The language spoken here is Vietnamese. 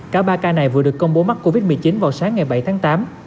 cả ba ca này vừa được công bố mắc covid một mươi chín vào sáng ngày bảy tháng tám